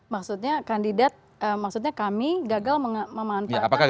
maksudnya kandidat maksudnya kami gagal memanfaatkan